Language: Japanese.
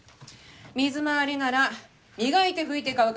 水回りなら磨いて拭いて乾かす。